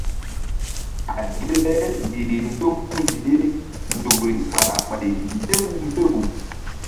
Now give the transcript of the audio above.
A ge le yih nzɔm tul ye nzukri ɓah ɓay mbew mbew.